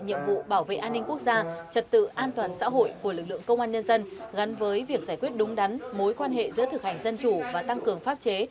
những vấn đề lực lượng công an nhân dân gắn với việc giải quyết đúng đắn mối quan hệ giữa thực hành dân chủ và tăng cường pháp chế